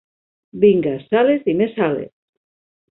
Vinga sales i més sales!